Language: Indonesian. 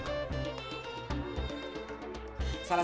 salah satu upacara yang diperiksa adalah